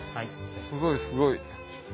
すごいすごい。